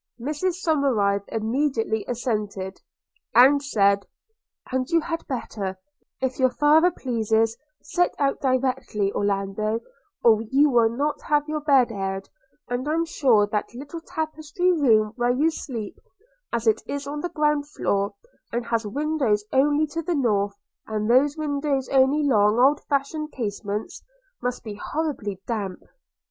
Mrs Somerive immediately assented, and said, 'And you had better, if your father pleases, set out directly, Orlando, or you will not have your bed aired; and I am sure that little tapestry room where you sleep, as it is on the ground floor, and has windows only to the north, and those windows only long old fashioned casements, must be horribly damp.'